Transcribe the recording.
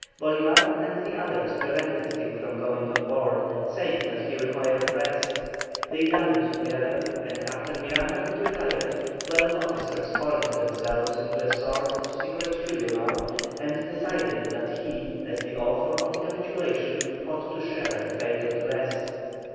Bolívar and the others prevented him from going on board, saying that he required rest. They dined together, and after Miranda had retired, twelve officers formed themselves into a sort of secret tribunal, and decided that he, as the author of the capitulation, ought to share the fate of the rest.